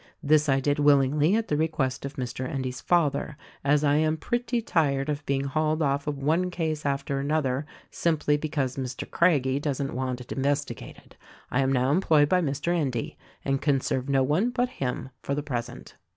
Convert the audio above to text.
This I did willingly at the request of Mr. Endy's father, as I am pretty tired of being hauled off of one case after another simply because Mr. Craggie doesn't want it investigated; I am now employed by Mr. Endy and can serve no one but him, for the present."